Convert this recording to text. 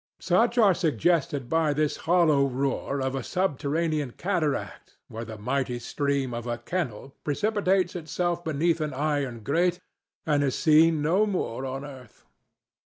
Such are suggested by this hollow roar of a subterranean cataract where the mighty stream of a kennel precipitates itself beneath an iron grate and is seen no more on earth.